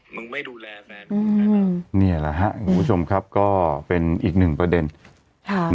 ไม่ดูแลแฟนนี่แหละฮะคุณผู้ชมครับก็เป็นอีกหนึ่งประเด็นค่ะ